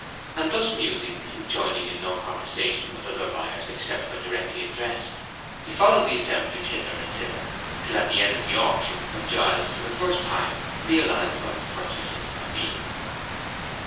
And thus musing, and joining in no conversation with other buyers except when directly addressed, he followed the assemblage hither and thither till the end of the auction, when Giles for the first time realized what his purchases had been.